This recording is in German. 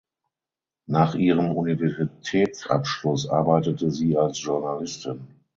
Nach ihrem Universitätsabschluss arbeitete sie als Journalistin.